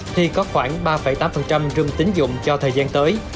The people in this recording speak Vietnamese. thì có khoảng ba tám râm tín dụng cho thời gian tới